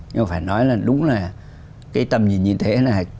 nhưng mà phải nói là đúng là cái tầm nhìn như thế là